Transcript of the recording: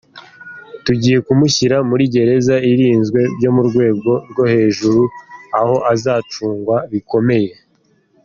"Tugiye kumushyira muri gereza irinzwe byo ku rwego rwo hejuru aho azacungwa bikomeye.